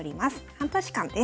半年間です。